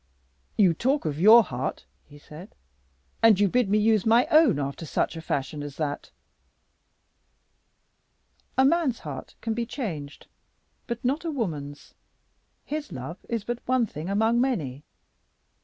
"You talk of your heart," he said, "and you bid me use my own after such fashion as that!" "A man's heart can be changed, but not a woman's. His love is but one thing among many."